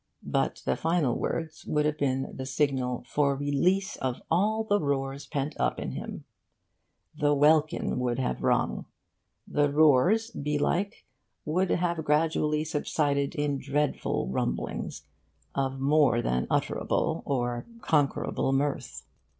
But the final words would have been the signal for release of all the roars pent up in him; the welkin would have rung; the roars, belike, would have gradually subsided in dreadful rumblings of more than utterable or conquerable mirth.